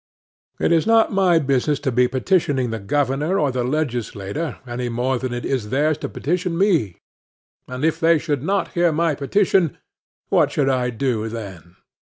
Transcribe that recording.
It is not my business to be petitioning the Governor or the Legislature any more than it is theirs to petition me; and, if they should not hear my petition, what should I do then?